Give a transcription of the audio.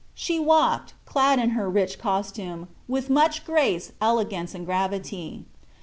She walked, clad in her rich costume, with much grace, elegance, and gravity.